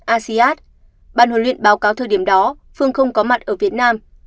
asia bạn huấn luyện báo cáo thời điểm đó phương không có mặt ở việt nam